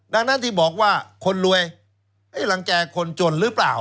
ดังนั้นที่บอกว่าคนรวยรังแก่คนจนหรือเปล่า